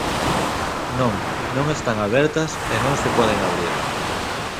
Non, non están abertas e non se poden abrir.